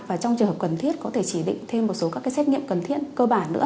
và trong trường hợp cần thiết có thể chỉ định thêm một số các cái xét nghiệm cần thiết cơ bản nữa